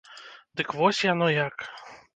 Дык вось яно як!